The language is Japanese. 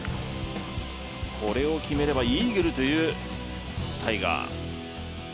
これを決めればイーグルというタイガー。